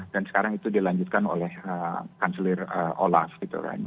dan sekarang itu dilanjutkan oleh chancellor olaf gitu kan